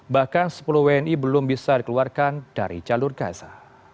bahkan sepuluh wni belum bisa dikeluarkan dari jalur gaza